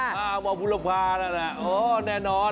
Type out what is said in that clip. หมอบูลภาพนั่นแหละแน่นอน